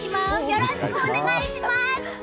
よろしくお願いします！